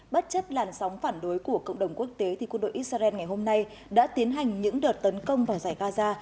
bất chấp làn sóng phản đối của cộng đồng quốc tế thì quân đội israel ngày hôm nay đã tiến hành những đợt tấn công vào giải gaza